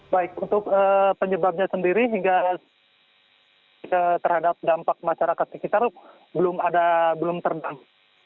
baik untuk penyebabnya sendiri hingga terhadap dampak masyarakat sekitar belum terbang